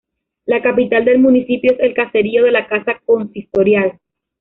La capital del municipio es el caserío de la Casa Consistorial.